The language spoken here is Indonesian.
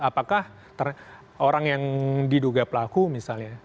apakah orang yang diduga pelaku misalnya